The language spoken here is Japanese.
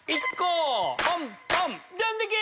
どんだけ！